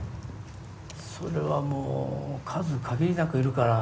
それはもう数限りなくいるから。